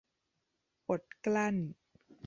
อดกลั้น